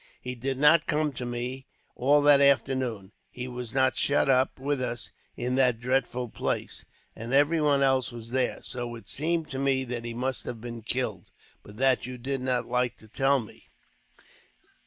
He did not come to me, all that afternoon. He was not shut up with us in that dreadful place, and everyone else was there. So it seemed to me that he must have been killed, but that you did not like to tell me."